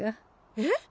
えっ？